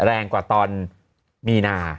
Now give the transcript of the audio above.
แรงกว่าตอนมีนา